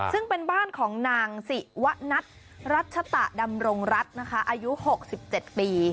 ซึ่งเป็นบ้านของนางศิวะนัทรัชตะดำรงรัฐนะคะอายุ๖๗ปี